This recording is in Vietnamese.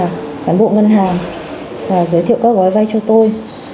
phản bộ ngân hàng giới thiệu các gói vay cho tôi